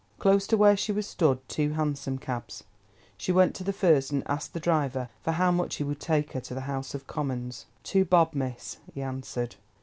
Close to where she was stood two hansom cabs. She went to the first and asked the driver for how much he would take her to the House of Commons. "Two bob, miss," he answered.